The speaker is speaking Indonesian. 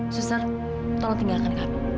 suser tolong tinggalkan kamu